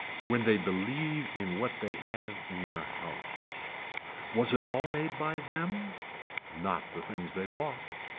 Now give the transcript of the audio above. When they believe in what they have in their house. Was it all made by them. Not the things they bought.